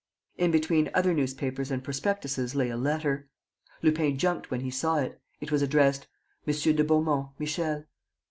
In between other newspapers and prospectuses lay a letter. Lupin jumped when he saw it. It was addressed: "_Monsieur de Beaumont, Michel.